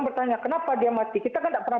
bertanya kenapa dia mati kita kan tidak pernah